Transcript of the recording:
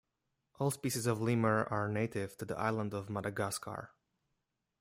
All species of Lemur are native to the island of Madagascar.